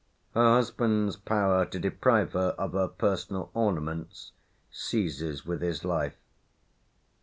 Her husband's power to deprive her of her personal ornaments ceases with his life.